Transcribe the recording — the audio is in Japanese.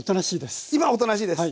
今おとなしいです。